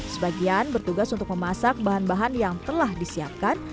sebagian bertugas untuk memasak bahan bahan yang telah disiapkan